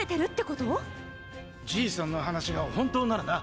ジイさんの話が本当ならな。